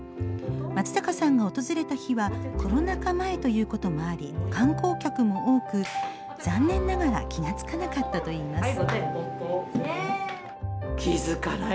松坂さんが訪れた日はコロナ禍前ということもあり観光客も多く、残念ながら気がつかなかったといいます。